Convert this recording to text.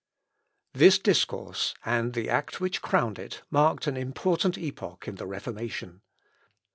This discourse, and the act which crowned it, mark an important epoch in the Reformation.